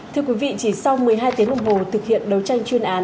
thưa quý vị chỉ sau một mươi hai tiếng đồng hồ thực hiện đấu tranh chuyên án